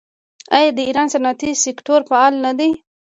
آیا د ایران صنعتي سکتور فعال نه دی؟